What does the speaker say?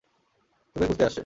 তোকে খুঁজতেই আসছে।